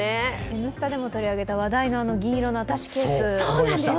「Ｎスタ」でも取り上げた話題の銀色のアタッシェケース。